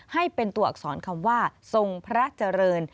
ให้เป็นตัวอักษรคำว่าทรงพระเจริญ